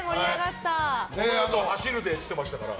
このあと走るで！って言ってましたから。